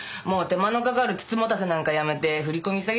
もう手間のかかる美人局なんかやめて振り込め